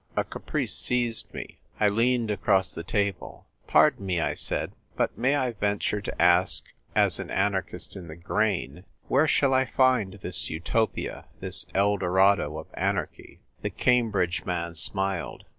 A caprice seized me. I leaned across the table. " Pardon me," I said, " but may I venture 38 THE TYPE WRITER GIRL. to ask, as an anarchist in the grain, where shall I find this Utopia, this Eldorado of anarchy ?" The Cambridge man smiled.